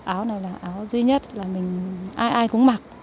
áo này là áo duy nhất ai ai cũng mặc